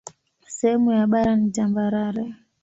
Sehemu ya bara ni tambarare.